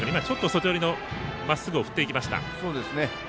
外寄りのまっすぐを振っていきました。